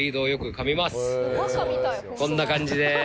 こんな感じで。